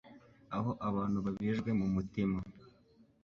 Aho abantu babajwe mumutima